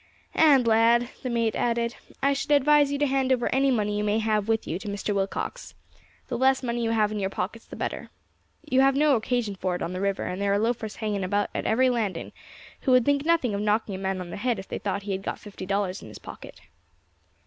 "And, lad," the mate added, "I should advise you to hand over any money you may have with you to Mr. Willcox; the less money you have in your pockets the better. You have no occasion for it on the river, and there are loafers hanging about at every landing who would think nothing of knocking a man on the head if they thought he had got fifty dollars in his pocket."